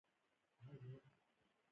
دا د اندېښې بنسټ وېبپاڼه ده.